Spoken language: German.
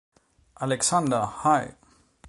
Alexander; Hl.